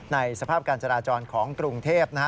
สภาพการจราจรของกรุงเทพนะฮะ